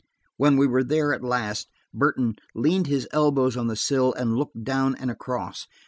When we were there at last, Burton leaned his elbows on the sill, and looked down and across.